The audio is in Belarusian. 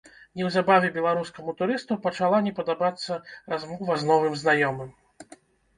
Неўзабаве беларускаму турысту пачала не падабацца размова з новым знаёмым.